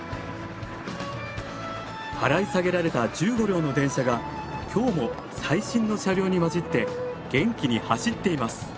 払い下げられた１５両の電車が今日も最新の車両に交じって元気に走っています。